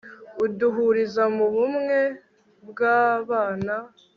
uduhuriza mu bumwe, bw'abana